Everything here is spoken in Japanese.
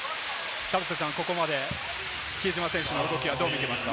ここまで比江島選手の動き、どう見ていますか？